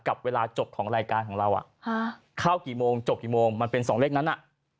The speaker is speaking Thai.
กับเวลาจบของรายการของเราเข้ากี่โมงจบกี่โมงมันเป็นสองเลขนั้น